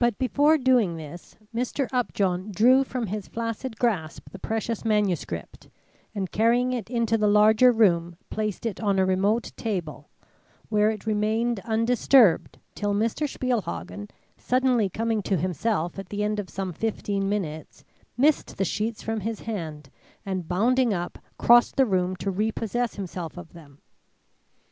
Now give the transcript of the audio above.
But before doing this, Mr. Upjohn drew from his flaccid grasp the precious manuscript, and carrying it into the larger room placed it on a remote table, where it remained undisturbed till Mr. Spielhagen, suddenly coming to himself at the end of some fifteen minutes, missed the sheets from his hand, and bounding up, crossed the room to repossess himself of them.